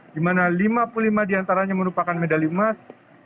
di mana lima puluh lima diantaranya merupakan medali emas